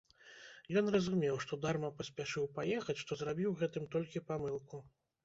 Ён разумеў, што дарма паспяшыў паехаць, што зрабіў гэтым толькі памылку.